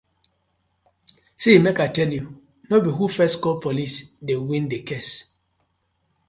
See mek I tell you be who first call Police dey win the case,